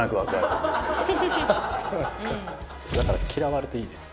だから嫌われていいです。